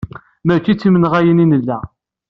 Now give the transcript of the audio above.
Mačči d timenɣayin i nella.